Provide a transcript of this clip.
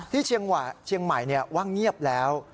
เชียงใหม่ว่างเงียบแล้ว